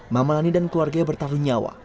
mama lani dan keluarga bertarung nyawa